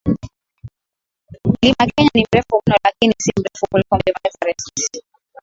Mlima Kenya ni mrefu mno lakini si mrefu kuliko Mlima Everest